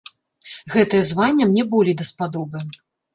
Гэтае званне мне болей даспадобы.